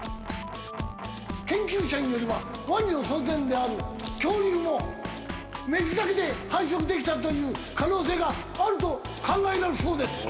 研究者によればワニの祖先である恐竜も雌だけで繁殖できたという可能性があると考えられるそうです。